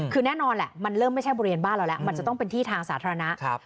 คือแน่นอนแหละมันเริ่มไม่ใช่บริเวณบ้านเราแล้วมันจะต้องเป็นที่ทางสาธารณะ